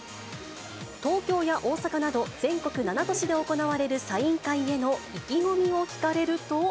東京や大阪など、全国７都市で行われるサイン会への意気込みを聞かれると。